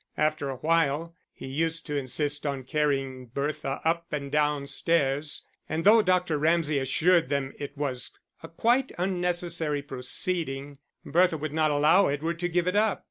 After a while he used to insist on carrying Bertha up and down stairs, and though Dr. Ramsay assured them it was a quite unnecessary proceeding, Bertha would not allow Edward to give it up.